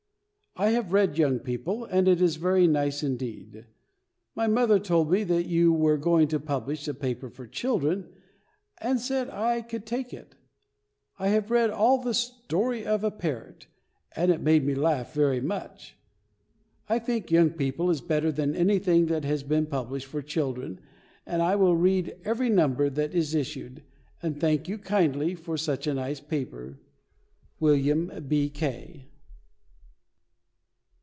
I have read Young People, and it is very nice indeed. My mother told me that you were going to publish a paper for children, and said I could take it. I have read all the "Story of a Parrot," and it made me laugh very much. I think Young People is better than anything that has been published for children, and I will read every number that is issued, and thank you kindly for such a nice paper. WILLIAM B. K.